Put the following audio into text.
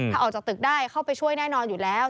ถ้าออกจากตึกได้เข้าไปช่วยแน่นอนอยู่แล้ว